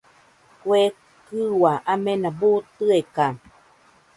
Kue kɨua amena buu tɨeka.